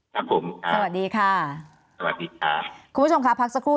ครับผมครับสวัสดีค่ะสวัสดีค่ะคุณผู้ชมค่ะพักสักครู่